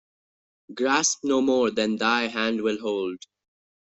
Grasp no more than thy hand will hold.